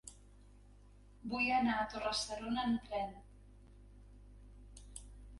Vull anar a Torre-serona amb tren.